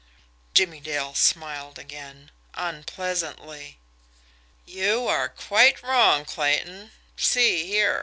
Jimmie Dale smiled again unpleasantly. "You are quite wrong, Clayton. See here."